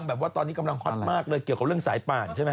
แบบว่าตอนนี้กำลังฮอตมากเลยเกี่ยวกับเรื่องสายป่านใช่ไหม